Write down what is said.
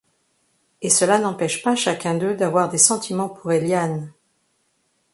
Et cela n'empêche pas chacun d'eux d'avoir des sentiments pour Éliane...